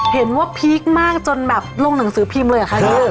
เห็นว่าพีคมากจนแบบลงหนังสือพรีมเลยอะคะนี่